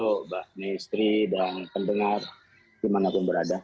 mbak nistri dan pendengar di mana pun berada